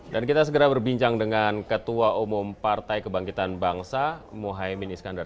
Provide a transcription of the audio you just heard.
dan kita segera berbincang dengan ketua umum partai kebangkitan bangsa muhammad iskandar